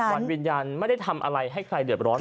วันวิญญาณไม่ได้ทำอะไรให้ใครเดือดร้อน